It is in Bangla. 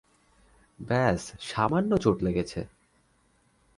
ব্যস সামান্য চোট লেগেছে।